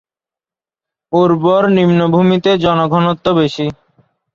উর্বর নিম্নভূমিতে জনঘনত্ব বেশি।